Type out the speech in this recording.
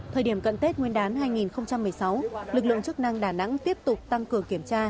thời điểm cận tết nguyên đán hai nghìn một mươi sáu lực lượng chức năng đà nẵng tiếp tục tăng cường kiểm tra